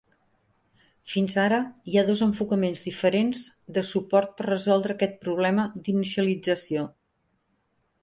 Fins ara, hi ha dos enfocaments diferents de suport per resoldre aquest problema d'inicialització.